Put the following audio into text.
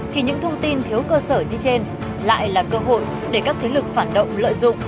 thì những thông tin thiếu cơ sở như trên lại là cơ hội để các thế lực phản động lợi dụng